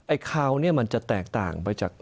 ไอ้ข่าวมันจะแตกต่างไปจาก